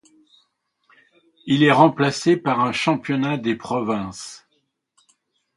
Il est remplacé par un championnat des provinces.